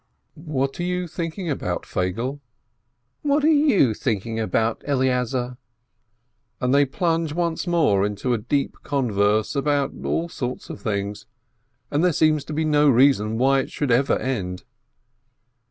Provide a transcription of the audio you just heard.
"What are you thinking about, Feigele ?" "What are you thinking about, Eleazar ?" And they plunge once more into a deep converse about all sorts of things, and there seems to be no reason why it should ever end.